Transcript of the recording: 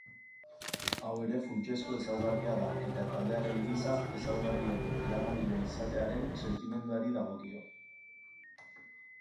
Hau ere funtsezko ezaugarria da eta taldearen giza ezaugarrien eramaile izatearen sentimenduari dagokio.